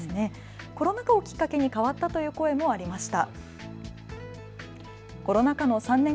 コロナ禍をきっかけに変わってきたという声もありました。